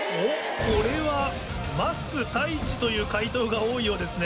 ・これは「ますたいち」という解答が多いようですね。